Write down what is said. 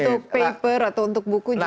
tapi mungkin untuk paper atau untuk buku justru